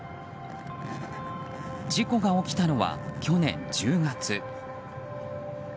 事故が起きたのは去年１０月。